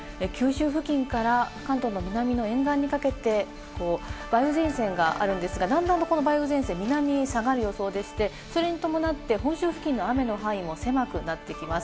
九州付近から関東の南の沿岸にかけて、梅雨前線があるんですが、段々とこの梅雨前線、南へ下がる予想でして、それに伴って、本州付近の雨の範囲も狭くなってきます。